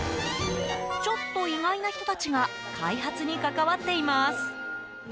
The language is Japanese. ちょっと意外な人たちが開発に関わっています。